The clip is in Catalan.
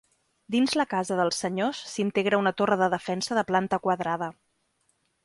Dins la casa dels senyors s’integra una torre de defensa de planta quadrada.